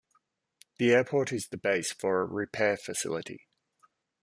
The airport is the base for a repair facility.